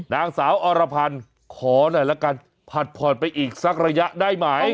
นางสาวอรพันธ์ขอหน่อยละกันผัดผ่อนไปอีกสักระยะได้ไหม